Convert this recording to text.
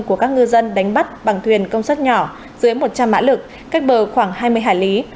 của các ngư dân đánh bắt bằng thuyền công suất nhỏ dưới một trăm linh mã lực cách bờ khoảng hai mươi hải lý